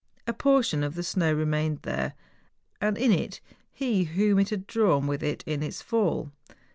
A portion of the snow remained there, and in it he whom it had drawn with it in its fall.